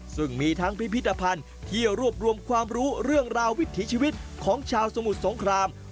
ซึ่งมีทั้งพิพิธภัณฑ์ที่รวบรวมความรู้เรื่องราววิถีชีวิตของชาวสมุทรสงคราม